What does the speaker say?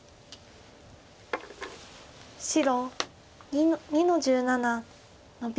白２の十七ノビ。